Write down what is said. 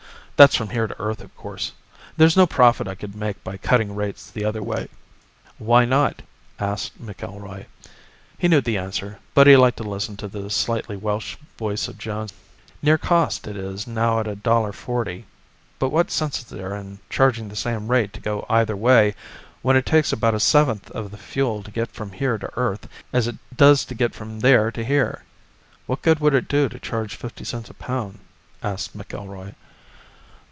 That's from here to Earth, of course. There's no profit I could make by cutting rates the other way." "Why not?" asked McIlroy. He knew the answer, but he liked to listen to the slightly Welsh voice of Jones. "Near cost it is now at a dollar forty. But what sense is there in charging the same rate to go either way when it takes about a seventh of the fuel to get from here to Earth as it does to get from there to here?" "What good would it do to charge fifty cents a pound?" asked McIlroy.